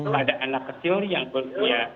pada anak kecil yang belum dia